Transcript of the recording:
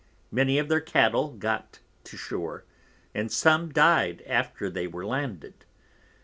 Many of their Cattle got to shore, and some dy'd after they were landed.